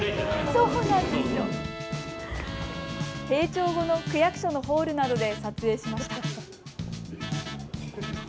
閉庁後の区役所のホールなどで撮影しました。